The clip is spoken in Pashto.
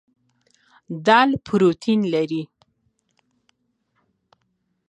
دال پروټین لري.